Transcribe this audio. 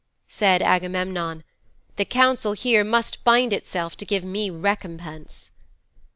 "' 'Said Agamemnon: "The council here must bind itself to give me recompense."'